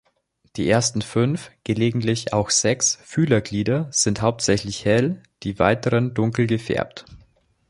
Die ersten fünf, gelegentlich auch sechs Fühlerglieder sind hauptsächlich hell, die weiteren dunkel gefärbt.